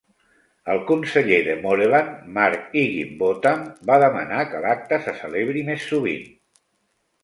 El conseller de Moreland, Mark Higginbotham va demanar que l'acte se celebri més sovint.